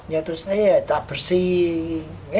ya itu saya ya tak bersih